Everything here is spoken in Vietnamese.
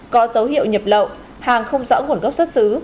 có dấu hiệu nhập lậu hàng không rõ nguồn gốc xuất xứ